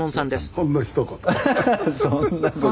「ほんのひと言」